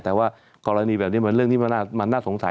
แต่ว่ากรณีแบบนี้มันเรื่องที่มันน่าสงสัย